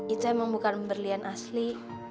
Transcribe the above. itu emang bukan berlian asli